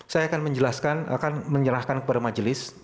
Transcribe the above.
saya akan menjelaskan akan menyerahkan kepada majelis